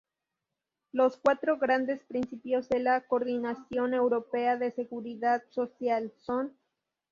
Los cuatro grandes principios de la coordinación europea de Seguridad Social son:.